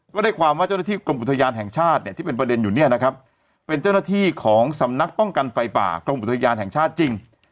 ได้ความว่าเจ้าหน้าที่กรมอุทยานแห่งชาติเนี่ยที่เป็นประเด็นอยู่เนี่ยนะครับเป็นเจ้าหน้าที่ของสำนักป้องกันไฟป่ากรมอุทยานแห่งชาติจริง